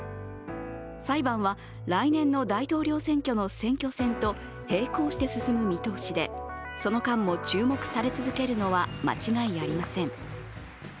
裁判は来年の大統領選挙の選挙戦と並行して進む見通しで、その間も注目され続けるのは間違いありません。